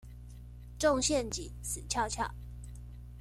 中陷阱死翹翹